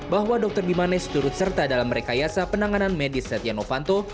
bahwa dr bimanes turut serta dalam rekayasa penanganan medis setia novanto